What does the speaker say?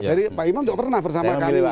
jadi pak imam juga pernah bersama kami